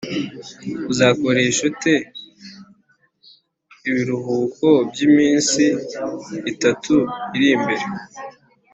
uzakoresha ute ibiruhuko byiminsi itatu iri imbere?